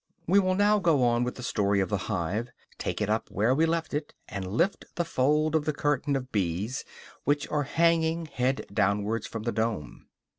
We will now go on with the story of the hive, take it up where we left it, and lift a fold of the curtain of bees which are hanging, head downwards, from the dome.